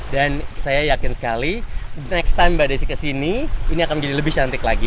dan saya yakin sekali next time mbak desy kesini ini akan menjadi lebih cantik lagi